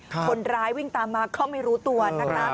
คนร้ายวิ่งตามมาก็ไม่รู้ตัวนะคะ